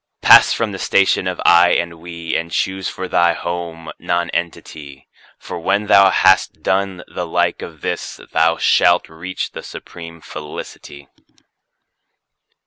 Pass from the station of "I" and "We," and choose for thy home Nonentity, For when thou has done the like of this, thou shalt reach the supreme Felicity.